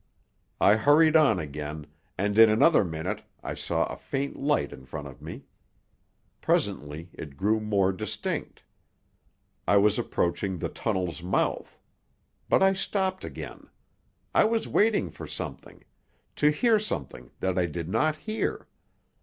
I hurried on again, and in another minute I saw a faint light in front of me. Presently it grew more distinct. I was approaching the tunnel's mouth. But I stopped again. I was waiting for something to hear something that I did not hear.